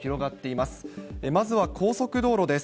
まずは高速道路です。